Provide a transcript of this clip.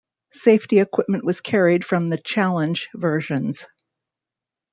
Safety equipment was carried from the Challenge versions.